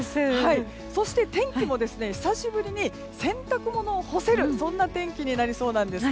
そして、天気も久しぶりに洗濯物を干せるそんな天気になりそうなんです。